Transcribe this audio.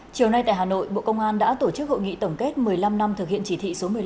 chiều nay tại hà nội bộ công an đã tổ chức hội nghị tổng kết một mươi năm năm thực hiện chỉ thị số một mươi năm